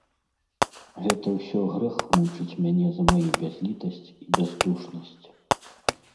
Гэта ўсё грэх мучыць мяне за маю бязлiтасць i бяздушнасць...